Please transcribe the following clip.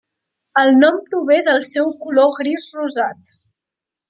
El nom prové del seu color gris rosat.